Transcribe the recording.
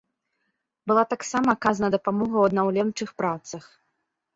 Была таксама аказана дапамога ў аднаўленчых працах.